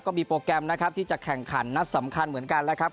โปรแกรมนะครับที่จะแข่งขันนัดสำคัญเหมือนกันนะครับ